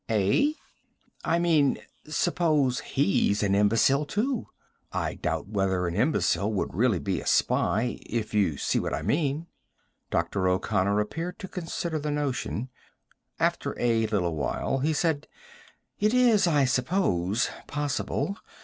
"Eh?" "I mean, suppose he's an imbecile, too? I doubt whether an imbecile would really be a spy, if you see what I mean." Dr. O'Connor appeared to consider the notion. After a little while he said: "It is, I suppose, possible.